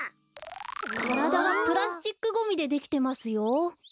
からだがプラスチックゴミでできてますよ。